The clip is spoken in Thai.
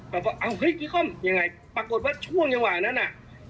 ว่าอ้าวเฮ้ยกีคอมยังไงปรากฏว่าช่วงจังหวะนั้นน่ะ